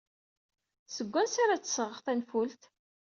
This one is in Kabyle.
Seg wansi ara d-sɣeɣ tanfult?